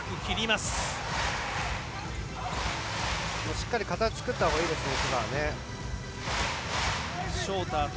しっかり形を作ったほうがいいですね。